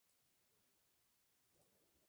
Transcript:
Pero ahora eso ya no está.